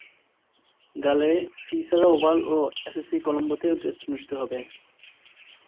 গালে, P Sara Oval ও SSC কলম্বোতে টেস্ট অনুষ্ঠিত হবে।